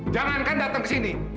jangankan datang ke sini